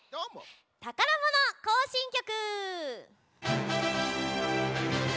「たからもの行進曲」！